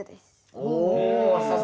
お。